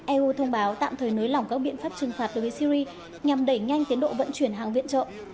eu thông báo tạm thời nới lỏng các biện pháp trừng phạt đối với syri nhằm đẩy nhanh tiến độ vận chuyển hàng viện trợ